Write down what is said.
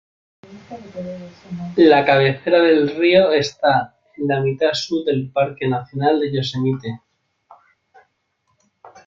La cabecera del río está en la mitad sur del Parque nacional de Yosemite.